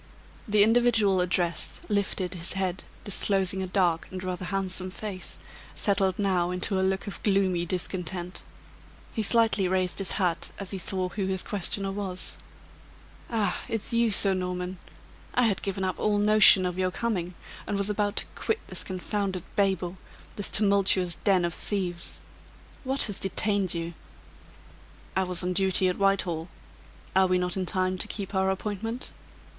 The individual addressed lifted his head, disclosing a dark and rather handsome face, settled now into a look of gloomy discontent. He slightly raised his hat as he saw who his questioner was. "Ah! it's you, Sir Norman! I had given up all notion of your coming, and was about to quit this confounded babel this tumultuous den of thieves. What has detained you?" "I was on duty at Whitehall. Are we not in time to keep our appointment?"